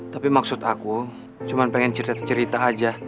tapi maksud aku cuma pengen cerita cerita aja